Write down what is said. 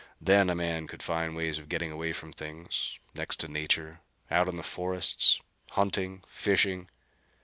Then a man could find ways of getting away from things next to nature out into the forests; hunting; fishing.